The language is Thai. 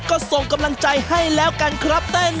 ก็ส่งกำลังใจให้แล้วกันครับเต้น